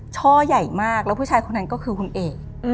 ช่อใหญ่มากแล้วผู้ชายคนนั้นก็คือคุณเอก